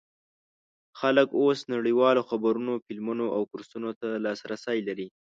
خلک اوس نړیوالو خبرونو، فلمونو او کورسونو ته لاسرسی لري.